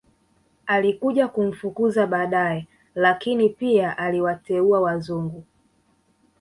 Alikuja kumfukuza badae lakini pia aliwateua wazungu